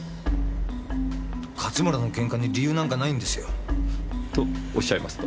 勝村のケンカに理由なんかないんですよ。とおっしゃいますと？